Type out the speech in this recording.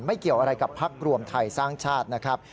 เกี่ยวอะไรกับพักรวมไทยสร้างชาตินะครับ